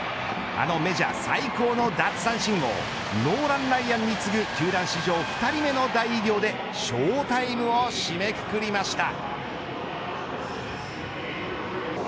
あのメジャー最高の奪三振王ノーラン・ライアンに次ぐ球団史上２人目の大偉業でショータイムを締めくくりました。